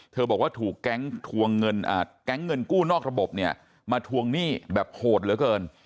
เธอบอกว่าถูกแก๊งกู้นอกระบบเนี่ยมาทวงหนี้แบบโหดเหลือเกิน